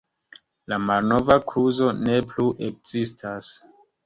La malnova kluzo ne plu ekzistas.